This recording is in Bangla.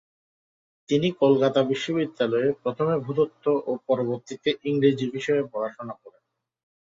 তিনি কলকাতা বিশ্ববিদ্যালয়ে প্রথমে ভূতত্ত্ব ও পরবর্তীতে ইংরেজি বিষয়ে পড়াশোনা করেন।